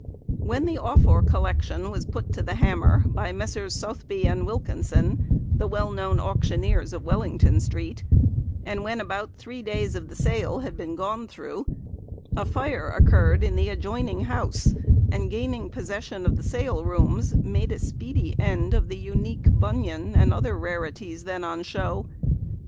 When the Offor Collection was put to the hammer by Messrs Sotheby and Wilkinson, the well known auctioneers of Wellington Street, and when about three days of the sale had been gone through, a Fire occurred in the adjoining house, and, gaining possession of the Sale Rooms, made a speedy end of the unique Bunyan and other rarities then on show.